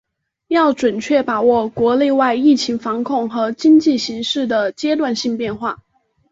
要准确把握国内外疫情防控和经济形势的阶段性变化